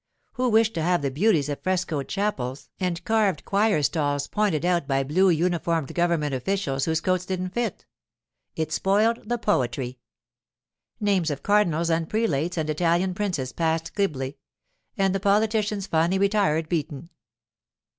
Who wished to have the beauties of frescoed chapels and carved choir stalls pointed out by blue uniformed government officials whose coats didn't fit? It spoiled the poetry. Names of cardinals and prelates and Italian princes passed glibly; and the politicians finally retired beaten.